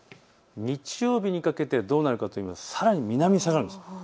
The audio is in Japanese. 日曜日にかけてどうなるかというとさらに南に下がるんです。